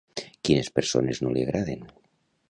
Quines persones no li agraden?